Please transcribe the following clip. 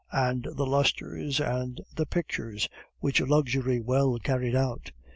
And the lustres, and the pictures, what luxury well carried out!